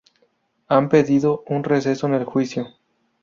Han pedido un receso en el juicio